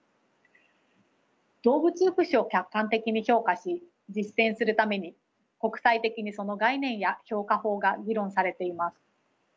動物福祉を客観的に評価し実践するために国際的にその概念や評価法が議論されています。